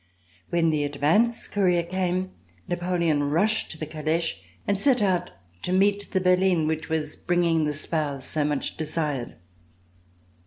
When the advance courier came, Napoleon rushed to the caleche and set out to meet the berline which was bringing the spouse so much desired.